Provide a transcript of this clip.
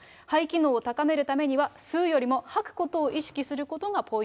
肺機能を高めるためには吸うよりも吐くことを意識することがポイ